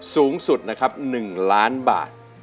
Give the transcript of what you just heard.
สูงสุด๑ล้านบาท